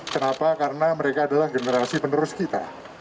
kenapa karena mereka adalah generasi penerus kita